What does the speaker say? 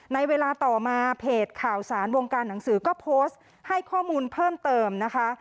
ในเวลาต่อมาเพจข่าวสารวงการหนังสือก็โพสต์ให้ข้อมูลเพิ่มเติมนะคะ